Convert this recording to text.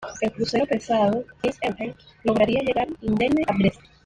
El crucero pesado "Prinz Eugen" lograría llegar indemne a Brest.